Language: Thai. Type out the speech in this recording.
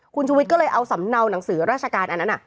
คุณชุวิตก็เลยเอาสำเนาหนังสือราชการอันนั้น